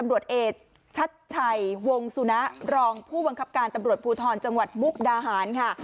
ตำรวจเอกชัดชัยวงสุนะรองผู้บังคับการตำรวจภูทรจังหวัดมุกดาหารค่ะ